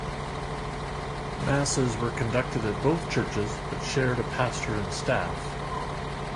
Masses were conducted at both churches, but shared a pastor and staff.